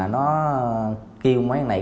nó kêu mấy anh này